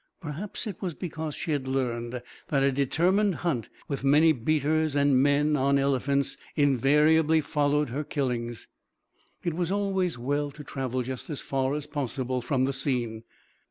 Perhaps it was because she had learned that a determined hunt, with many beaters and men on elephants, invariably followed her killings. It was always well to travel just as far as possible from the scene.